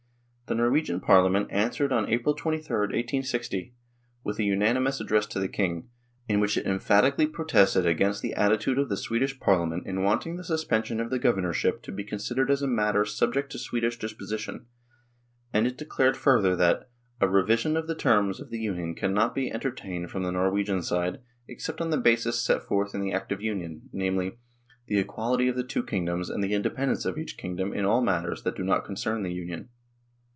The Norwegian Parliament answered on April 23, 1860, with a unanimous address to the King, in which it emphatically pro tested against the attitude of the Swedish Parliament in wanting the suspension of the governorship to be considered as a matter subject to Swedish disposition, and it declared further that " a revision of the terms of the Union cannot be entertained from the Nor wegian side except on the basis set forth in the Act of Union, namely, the equality of the two king doms and the independence of each kingdom in all matters that do not concern the Union.